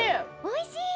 おいしい！